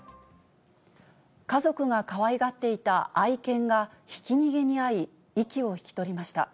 家族がかわいがっていた愛犬がひき逃げに遭い、息をひきとりました。